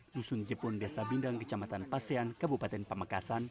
dusun jepun desa bindang kecamatan pasean kabupaten pamekasan